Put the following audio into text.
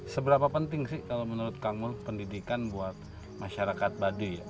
seberapa penting sih kalau menurut kamu pendidikan buat masyarakat baduy